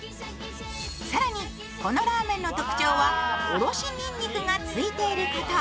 更にこのラーメンの特徴はおろしにんにくがついていること。